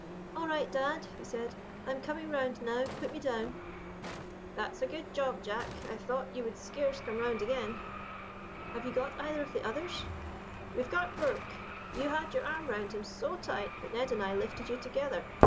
"All right, dad!" he said. "I am coming round now; put me down." "That's a good job, Jack. I thought you would scarce come round again." "Have you got either of the others?" "We've got Brook; you had your arm round him so tight that Ned and I lifted you together.